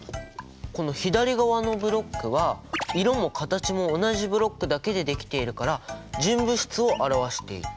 この左側のブロックは色も形も同じブロックだけでできているから純物質を表していて。